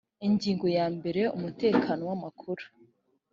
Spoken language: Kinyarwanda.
ingingo ya mbere umutekano w amakuru